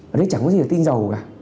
ở đây chẳng có gì là tinh dầu cả